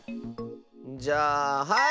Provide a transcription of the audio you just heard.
じゃあはい！